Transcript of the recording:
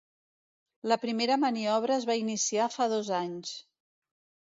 La primera maniobra es va iniciar fa dos anys.